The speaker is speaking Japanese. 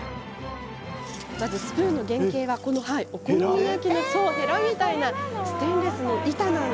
スプーンの原型は、お好み焼きのへらみたいなステンレスの板。